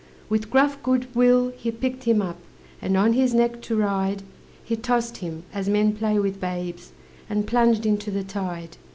With gruff good will he picked him up, And on his neck to ride He tossed him, as men play with babes, And plunged into the tide.